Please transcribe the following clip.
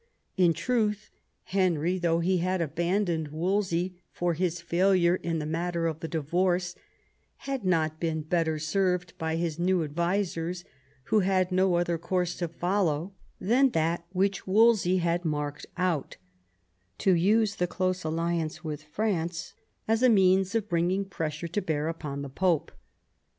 In truth, Henry, though he had abafidoned Wolsey for his failure in the matter of the divorce, had not been better served by his new advisers, who had no other course to follow than that which Wolsey had marked out — ^to use the close alliance with France as a means of bringing pres sure to bear upon the Pope.